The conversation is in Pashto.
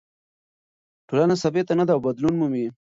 ټولنه ثابته نه ده او بدلون مومي.